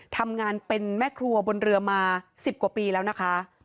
ทำงานเป็นแม่ครัวบนเรือมา๑๐กว่าปีแล้วนะคะ